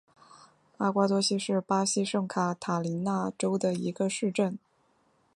阿瓜多西是巴西圣卡塔琳娜州的一个市镇。